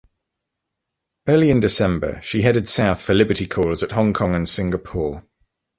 Early in December, she headed south for liberty calls at Hong Kong and Singapore.